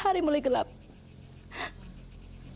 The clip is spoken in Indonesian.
dan selamatkan kamu